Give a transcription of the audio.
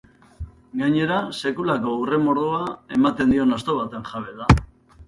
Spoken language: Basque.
Gainera, sekulako urre mordoa ematen dion asto baten jabe da.